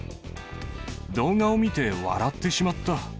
動画を見て笑ってしまった。